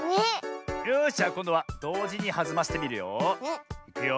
よしじゃこんどはどうじにはずませてみるよ。いくよ。